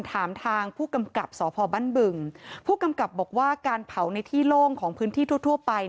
ถามทางผู้กำกับสพบั้นบึงผู้กำกับบอกว่าการเผาในที่โล่งของพื้นที่ทั่วทั่วไป